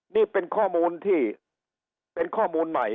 นี่เป็นข้อมูลที่เป็นข้อมูลใหม่